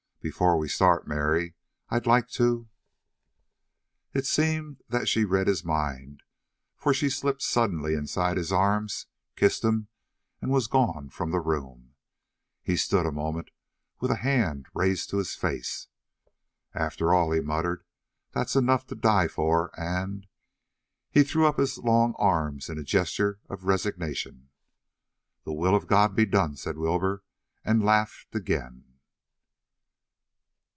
Before we start, Mary, I'd like to " It seemed that she read his mind, for she slipped suddenly inside his arms, kissed him, and was gone from the room. He stood a moment with a hand raised to his face. "After all," he muttered, "that's enough to die for, and " He threw up his long arms in a gesture of resignation. "The will of God be done!" said Wilbur, and laughed again.